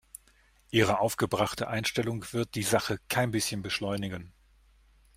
Ihre aufgebrachte Einstellung wird die Sache kein bisschen beschleunigen.